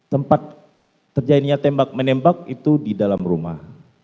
tempat terjadinya tembak menembak itu di dalam rumah